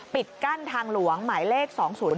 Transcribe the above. ปิดกั้นทางหลวงหมายเลข๒๐๕